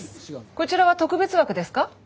こちらは特別枠ですか？